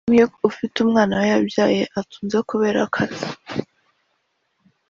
Mamie ufite umwana we yabyaye atunze kubera ako kazi